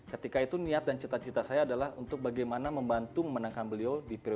ketika itu niat dan cita cita saya adalah untuk bagaimana membantu memenangkan beliau di politik praktis